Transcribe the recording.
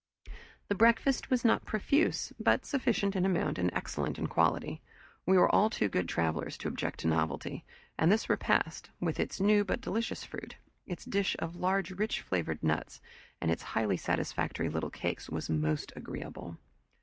The breakfast was not profuse, but sufficient in amount and excellent in quality. We were all too good travelers to object to novelty, and this repast with its new but delicious fruit, its dish of large rich flavored nuts, and its highly satisfactory little cakes was most agreeable.